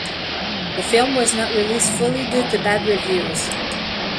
The film was not released fully due to bad reviews.